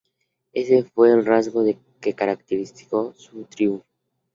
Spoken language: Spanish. Ese fue el rasgo que caracterizó su triunfo.